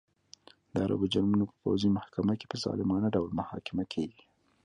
د عربو جرمونه په پوځي محکمه کې په ظالمانه ډول محاکمه کېږي.